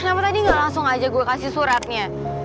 kenapa tadi gak langsung aja gue kasih suratnya